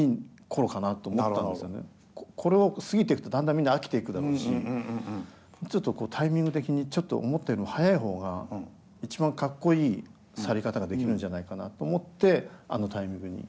これを過ぎていくとだんだんみんな飽きていくだろうしちょっとこうタイミング的にちょっと思ったよりも早い方が一番かっこいい去り方ができるんじゃないかなと思ってあのタイミングに。